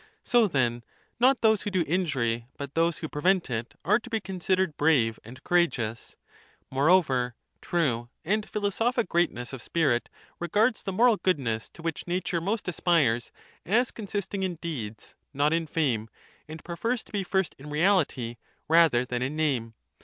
So then, not those who do injury but those who xrue greatness prevent it are to be considered brave and courageous. °^sp"'*' Moreover, true and philosophic greatness of spirit regards the moral goodness to which nature most aspires as consisting in deeds, not in fame, and pre fers to be first in reahty rather than in name.